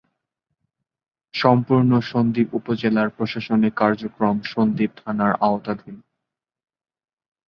সম্পূর্ণ সন্দ্বীপ উপজেলার প্রশাসনিক কার্যক্রম সন্দ্বীপ থানার আওতাধীন।